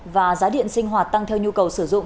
và giá điện sinh hoạt tăng theo nhu cầu sử dụng